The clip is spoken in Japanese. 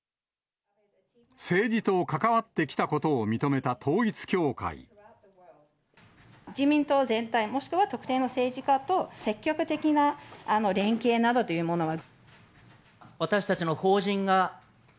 政治と関わってきたことを認自民党全体、もしくは特定の政治家と積極的な連携などというものは。